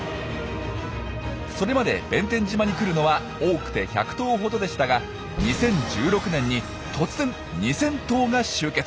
それまで弁天島に来るのは多くて１００頭ほどでしたが２０１６年に突然２，０００頭が集結。